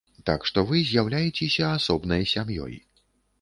Так што вы з'яўляецеся асобнай сям'ёй.